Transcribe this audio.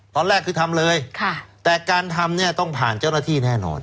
ตอนแรกคือทำเลยแต่การทำเนี่ยต้องผ่านเจ้าหน้าที่แน่นอน